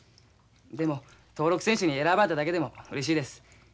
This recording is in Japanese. でも登録選手に選ばれただけでもうれしいです。